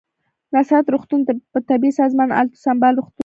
نصرت روغتون په طبي سامان الاتو سمبال روغتون دی